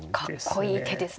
かっこいい手ですね。